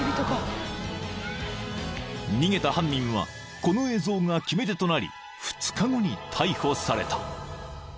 ［逃げた犯人はこの映像が決め手となり２日後に逮捕された］